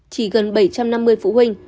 chỉ gần bảy trăm năm mươi phụ huynh